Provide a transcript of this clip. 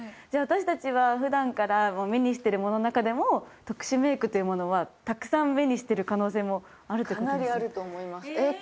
じゃあ私達は普段から目にしてるものの中でも特殊メイクというものはたくさん目にしてる可能性もあるってことですね